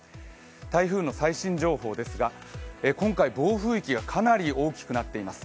台風の最新情報ですが、今回、暴風域がかなり大きくなっています。